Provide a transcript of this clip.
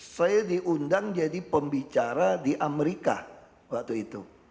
saya diundang jadi pembicara di amerika waktu itu